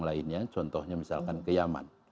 lainnya contohnya misalkan ke yaman